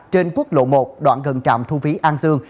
trên quốc lộ một đoạn gần trạm thu phí an dương